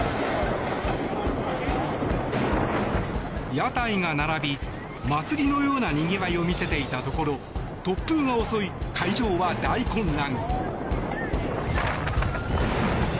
屋台が並び、祭りのようなにぎわいを見せていたところ突風が襲い、会場は大混乱。